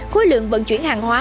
khối lượng vận chuyển hàng hóa